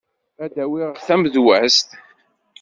Ad d-awiɣ tamedwazt.